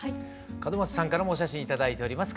門松さんからもお写真頂いております。